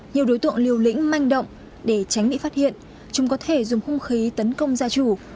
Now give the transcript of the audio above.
nhiều đối tượng liều lĩnh manh động để tránh bị phát hiện chúng có thể dùng hung khí tấn công gia chủ